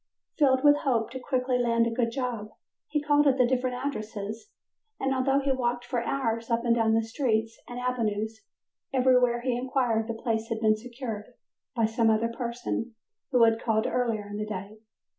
Filled with hope to quickly land a good job, he called at the different addresses, and, although he walked for hours up and down the streets and avenues, everywhere he inquired the place had been secured by some other person who had called earlier in the day.